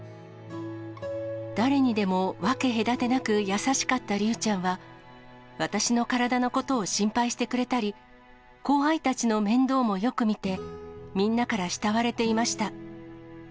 誰にでも分け隔てなく優しかった竜ちゃんは、私の体のことを心配してくれたり、後輩たちの面倒もよく見て、みんなから慕われていました。